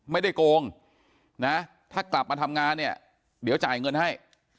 โกงนะถ้ากลับมาทำงานเนี่ยเดี๋ยวจ่ายเงินให้